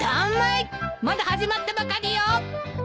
まだ始まったばかりよ！